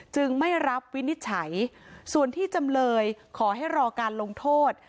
ไม่รับวินิจฉัยส่วนที่จำเลยขอให้รอการลงโทษ